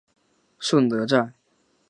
顺德站